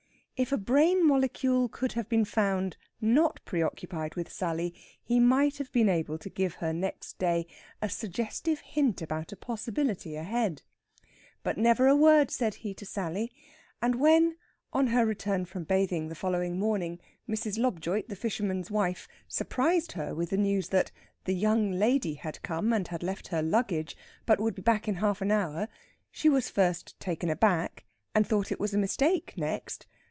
If a brain molecule could have been found not preoccupied with Sally he might have been able to give her next day a suggestive hint about a possibility ahead. But never a word said he to Sally; and when, on her return from bathing the following morning, Mrs. Lobjoit, the fisherman's wife, surprised her with the news that "the young lady" had come and had left her luggage, but would be back in half an hour, she was first taken aback, and thought it was a mistake next.